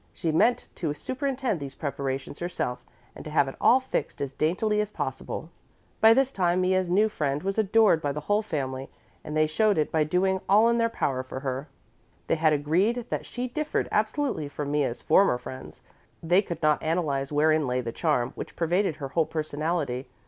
She meant to superintend these preparations herself and to have it all fixed as daintily as possible. By this time Mea's new friend was adored by the whole family, and they showed it by doing all in their power for her. They had agreed that she differed absolutely from Mea's former friends. They could not analyze wherein lay the charm which pervaded her whole personality.